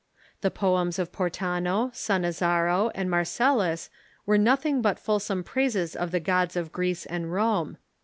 The poems of Portano, Sanazzaro, and Marcellus were nothing but ful some praises of the gods of Greece and Rome.